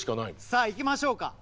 さあいきましょうか。